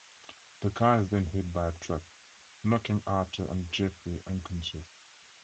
The car is then hit by a truck, knocking Arthur and Jeffrey unconscious.